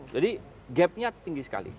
jadi gapnya tinggi sekali